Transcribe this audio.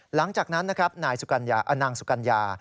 หลังจากนั้นนะครับนายนางสุกัญญา